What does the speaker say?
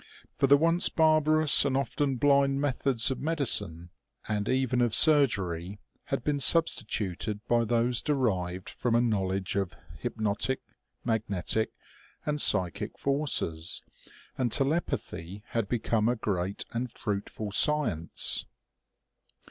For the once barbarous and often blind methods of medicine, and even of surgery, had been substituted by those derived from a knowledge of hypnotic, magnetic and psychic forces, and telepathy had become a great and fruitful science.